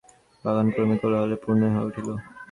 বাগান ক্রমেই কোলাহলে পূর্ণ হইয়া উঠিল।